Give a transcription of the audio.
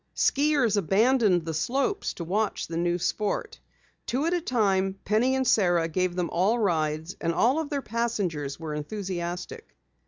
Skiers abandoned the slopes to watch the new sport. Two at a time, Penny and Sara gave them rides and all of their passengers were enthusiastic.